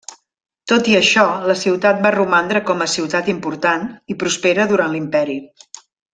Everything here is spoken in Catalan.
Tot i això la ciutat va romandre com a ciutat important i prospera durant l'imperi.